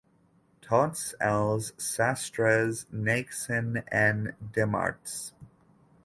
Tots els sastres neixen en dimarts.